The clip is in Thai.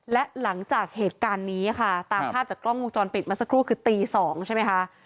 และหลังจากเหตุการณ์นี้ค่ะตามภาพจากกล้องวงจรปิดมาสักครู่คือตี๒ใช่ไหมคะ